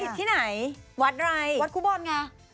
วัดไหนวัดคู่บอลไงวัดคู่บอลไง